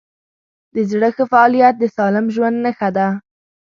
د زړه ښه فعالیت د سالم ژوند نښه ده.